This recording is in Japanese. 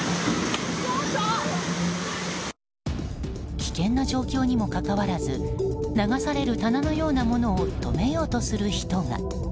危険な状況にもかかわらず流される棚のようなものを止めようとする人が。